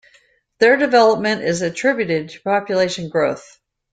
Their development is attributed to population growth.